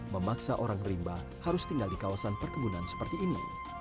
memaksa orang rimba harus tinggal di kawasan perkebunan seperti ini